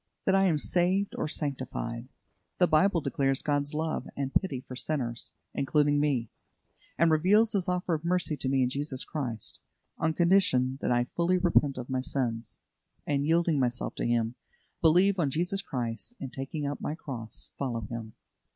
that I am saved or sanctified? The Bible declares God's love and pity for sinners, including me, and reveals His offer of mercy to me in Jesus Christ, on condition that I fully repent of my sins, and yielding myself to Him, believe on Jesus Christ, and taking up my cross, follow Him.